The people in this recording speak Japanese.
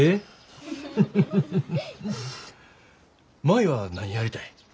舞は何やりたい？